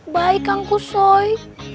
baik kang kusoy